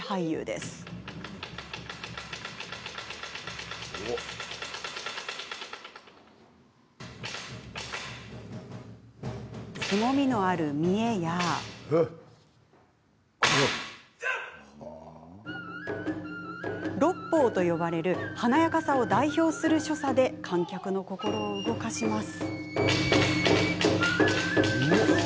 すごみのある見得や六方と呼ばれる華やかさを代表する所作で観客の心を動かします。